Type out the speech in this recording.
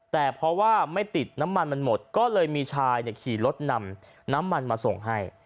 แต่เพราะว่าไม่ติดน้ำมันมันหมดก็เลยมีชายขี่รถนำน้ำมันมาส่งให้